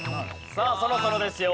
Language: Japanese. さあそろそろですよ。